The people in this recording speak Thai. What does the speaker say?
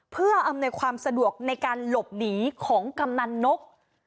เพื่ออำนวยความสะดวกในการหลบหนีของกำนันนก